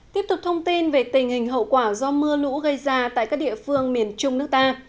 tiếp tục thông tin về tình hình hậu quả do mưa lũ gây ra tại các địa phương miền trung nước ta